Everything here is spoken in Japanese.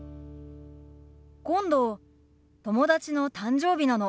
今度友達の誕生日なの。